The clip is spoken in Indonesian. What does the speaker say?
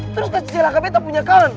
terus kasih celaka beta punya kangen